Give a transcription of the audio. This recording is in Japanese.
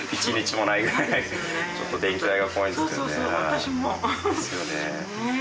私も。ですよね。